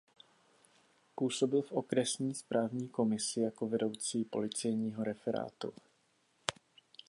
Působil v okresní správní komisi jako vedoucí policejního referátu.